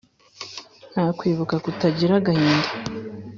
nta kwibuka kutagira agahinda